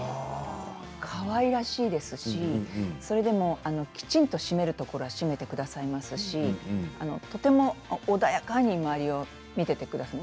かわいらしいですしそれでもきちんと締めるところは締めてくださいますしとても穏やかに周りを見ていてくださる。